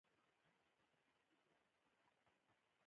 افغانستان د بادي انرژي لپاره مشهور دی.